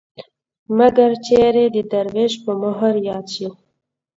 مګر چېرې د دروېش په مهر ياد شي